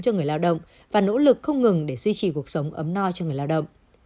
cho người lao động và nỗ lực không ngừng để duy trì cuộc sống ấm no cho người lao động